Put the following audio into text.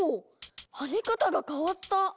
跳ね方が変わった！